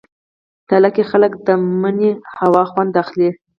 تله کې خلک د مني هوا خوند اخلي.